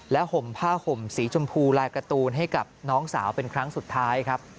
ห่มผ้าห่มสีชมพูลายการ์ตูนให้กับน้องสาวเป็นครั้งสุดท้ายครับ